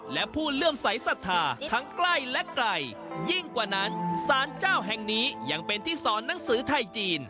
และผู้เลื่อมใสสัทธาทั้งใกล้และไกลยิ่งกว่านั้นสารเจ้าแห่งนี้ยังเป็นที่สอนหนังสือไทยจีน